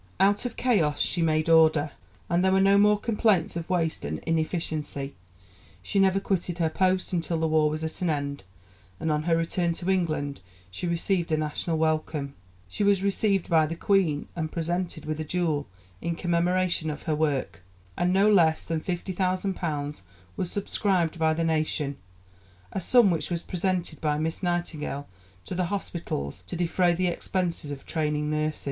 Out of chaos she made order, and there were no more complaints of waste and inefficiency. She never quitted her post until the war was at an end, and on her return to England she received a national welcome. She was received by the Queen and presented with a jewel in commemoration of her work, and no less than fifty thousand pounds was subscribed by the nation, a sum which was presented by Miss Nightingale to the hospitals to defray the expenses of training nurses.